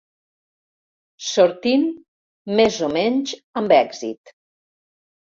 Sortint més o menys amb èxit.